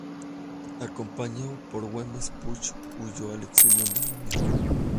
Acompañado por Güemes, Puch huyó al exilio en Bolivia.